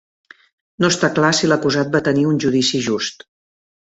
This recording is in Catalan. No està clar si l'acusat va tenir un judici just.